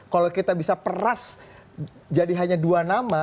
kalau kita bisa peras jadi hanya dua nama